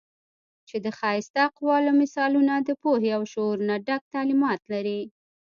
چې د ښائسته اقوالو، مثالونو د پوهې او شعور نه ډک تعليمات لري